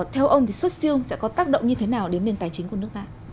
theo ông thì xuất siêu sẽ có tác động như thế nào đến nền tài chính của nước ta